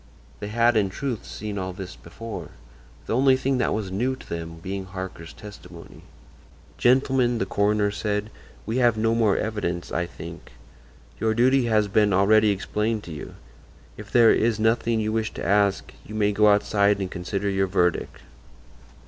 They had, in truth, seen all this before; the only thing that was new to them being Harker's testimony. "Gentlemen," the coroner said, "we have no more evidence, I think. Your duty has been already explained to you; if there is nothing you wish to ask you may go outside and consider your verdict."